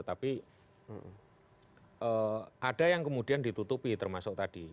tapi ada yang kemudian ditutupi termasuk tadi